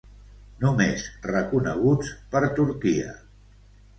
Només reconeguts per Turquia.